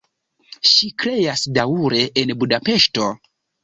Ŝi kreas daŭre en Budapeŝto.